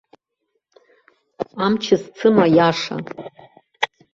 Амч зцым аиаша.